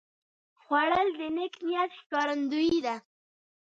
خوړل د نیک نیت ښکارندویي ده